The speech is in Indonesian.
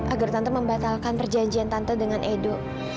agar tante membatalkan perjanjian tante dengan edo